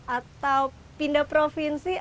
atau pindah provinsi